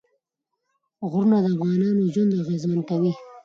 غرونه د افغانانو ژوند اغېزمن کوي.